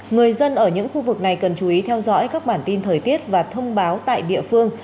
người dân ở những khu vực này cần chú ý theo dõi các bản tin thời tiết và thông báo tại địa phương